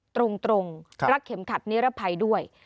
ตรงรักเข็มขัดนิรภัยด้วย